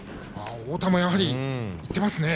太田もやはりいってますね。